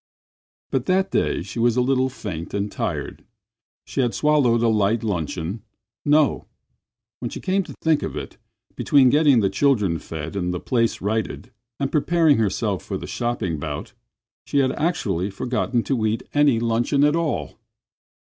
But that day she was a little faint and tired. She had swallowed a light luncheon—no! when she came to think of it, between getting the children fed and the place righted, and preparing herself for the shopping bout, she had actually forgotten to eat any luncheon at all!